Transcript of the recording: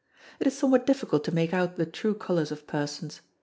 It is somewhat difficult to make out the true colours of persons.